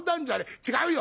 違うよ！